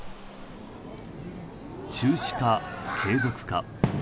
中止か、継続か。